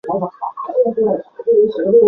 走到哪儿去。